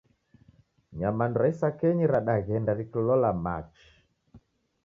Nyamandu ra isakenyi radaghenda rikilola machi